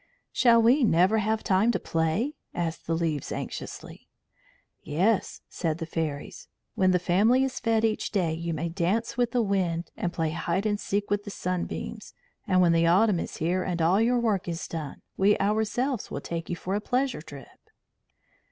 "Shall we never have time to play?" asked the leaves anxiously. "Yes," said the fairies. "When the family is fed each day you may dance with the winds and play hide and seek with the sunbeams, and when the autumn is here and all your work is done, we ourselves will take you for a pleasure trip."